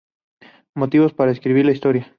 Motivos para escribir la historia.